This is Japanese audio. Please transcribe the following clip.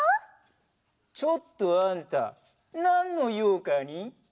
ちょっとあんたなんのようかに？